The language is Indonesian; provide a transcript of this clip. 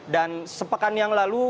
dan sepekan yang lalu